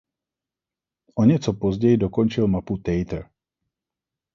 O něco později dokončil mapu Tater.